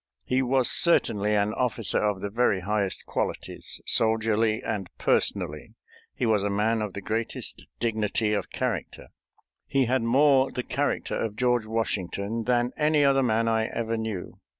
He was certainly an officer of the very highest qualities, soldierly and personally. He was a man of the greatest dignity of character. He had more the character of George Washington than any other man I ever knew.